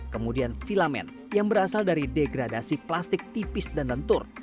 kemudian filament yang berasal dari degradasi plastik tipis dan lentur